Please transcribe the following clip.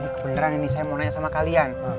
ini kebeneran ini saya mau nanya sama kalian